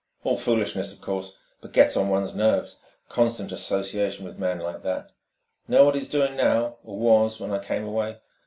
"All foolishness, of course, but 'gets on one's nerves ... constant association with man like that.... 'Know what he's doing now, or was, when I came away?